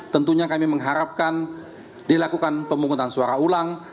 tentunya kami mengharapkan dilakukan pemungutan suara ulang